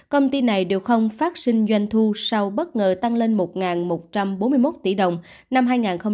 công ty này đều không phát sinh doanh thu sau bất ngờ tăng lên một một trăm bốn mươi một tỷ đồng năm hai nghìn hai mươi